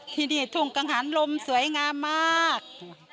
ที่นี่ทุ่งกังหันลมสวยงามมาก